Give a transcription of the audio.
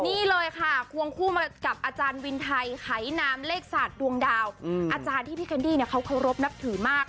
นี่เลยค่ะควงคู่มากับอาจารย์หายน้ำเลขสัดดวงดาวอืมอาจารย์ที่พี่เขารพนักถือมาก